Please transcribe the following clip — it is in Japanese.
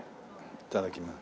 いただきます。